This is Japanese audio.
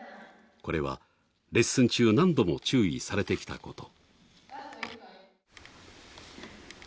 これはレッスン中何度も注意されてきたこと。